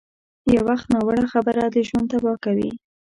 یو وخت ناوړه خبره ژوند تباه کوي.